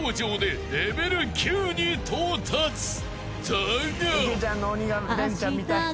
［だが］